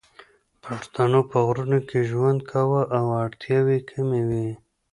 پښتنو په غرونو کې ژوند کاوه او اړتیاوې یې کمې وې